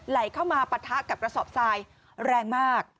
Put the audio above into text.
ลืม